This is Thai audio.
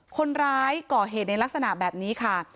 คนร้ายก่อเหตุในลักษณะแบบนี้ค่ะ